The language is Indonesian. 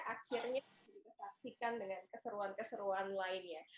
akhirnya bisa disaksikan dengan keseruan keseruan lainnya